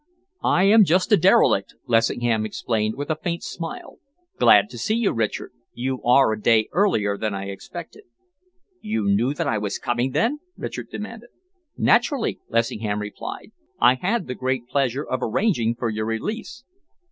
"I am just a derelict," Lessingham explained, with a faint smile. "Glad to see you, Richard. You are a day earlier than I expected." "You knew that I was coming, then?" Richard demanded. "Naturally," Lessingham replied. "I had the great pleasure of arranging for your release."